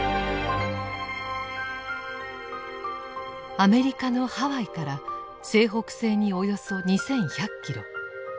アメリカのハワイから西北西におよそ２１００キロ。